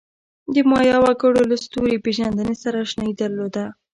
د مایا وګړو له ستوري پېژندنې سره آشنایي درلوده.